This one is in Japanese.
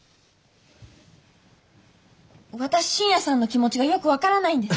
私信也さんの気持ちがよく分からないんです。